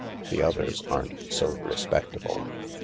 The others aren't so respectable.